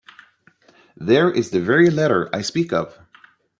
There is the very letter I speak of.